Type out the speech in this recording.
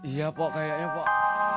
iya pok kayaknya pok